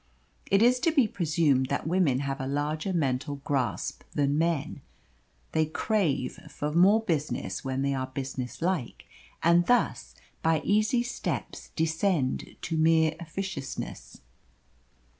It is to be presumed that women have a larger mental grasp than men. They crave for more business when they are business like, and thus by easy steps descend to mere officiousness.